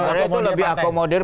agraria itu lebih akomodir